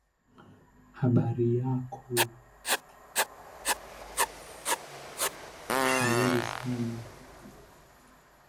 "Bartman Meets Radioactive Man" is a side-scrolling platform game.